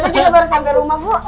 juga baru sampai rumah bu